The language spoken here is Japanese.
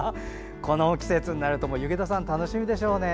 この季節になると弓削田さん、楽しみでしょうね。